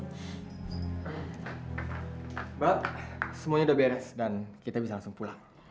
mbak semuanya sudah beres dan kita bisa langsung pulang